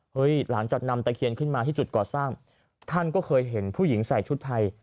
หลังจากนำตะเคียนขึ้นมาที่จุดก่อสร้างท่านก็เคยเห็นผู้หญิงใส่ชุดไทย